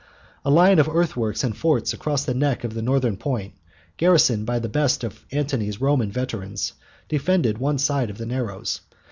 A line of earthworks and forts across the neck of the northern point, garrisoned by the best of Antony's Roman veterans, defended one side of the narrows.